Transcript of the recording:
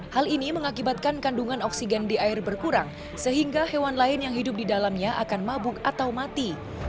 hal ini mengakibatkan kandungan oksigen di air berkurang sehingga hewan lain yang hidup di dalamnya akan mabuk atau mati